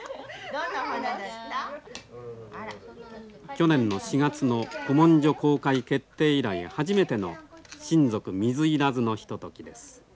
去年の４月の古文書公開決定以来初めての親族水入らずのひとときです。